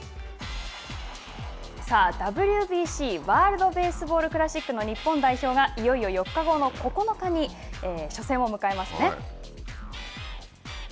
さあ、ＷＢＣ＝ワールド・ベースボール・クラシックの日本代表が、いよいよ４日後の９日に初戦を迎えますね。